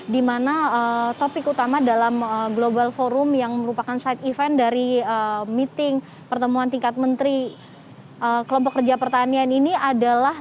dimana topik utama dalam global forum yang merupakan side event dari meeting pertemuan tingkat menteri kelompok kerja pertanian ini adalah